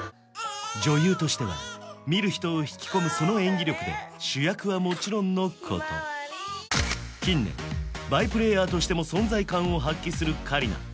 女優としては見る人を引き込むその演技力で主役はもちろんのこと近年バイプレーヤーとしても存在感を発揮する香里奈